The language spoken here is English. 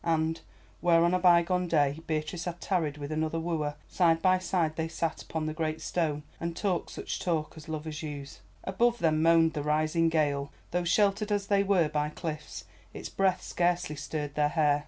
And, where on a bygone day Beatrice had tarried with another wooer, side by side they sat upon the great stone and talked such talk as lovers use. Above them moaned the rising gale, though sheltered as they were by cliffs its breath scarcely stirred their hair.